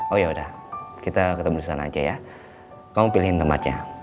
oh yaudah kita ketemu di sana aja ya kamu pilihin tempatnya